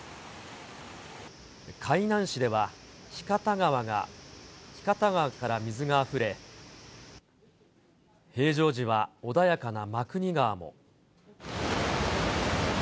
海南市では、日方川から水があふれ、平常時は穏やかな真国川も。